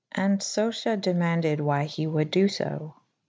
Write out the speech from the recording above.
And Sofia demaunded why he wolde do fo.